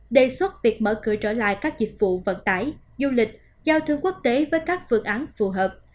đề xuất việc mở cửa trở lại các dịch vụ vận tải du lịch giao thương quốc tế với các phương án phù hợp